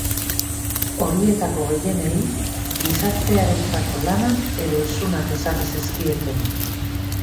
Horietako gehienei gizartearentzako lanak edo isunak ezarri zizkieten.